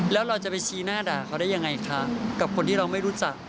แล้วเราจะไปชี้หน้าด่าเขาได้ยังไงคะกับคนที่เราไม่รู้จัก